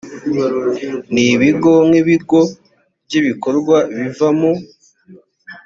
n ibigo nk ibigo by ibikorwa biva mu